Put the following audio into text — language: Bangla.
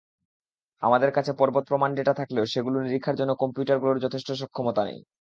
আমাদের কাছে পর্বতপ্রমাণ ডেটা থাকলেও সেগুলো নীরিক্ষার জন্য কম্পিউটারগুলোর যথেষ্ট সক্ষমতা নেই!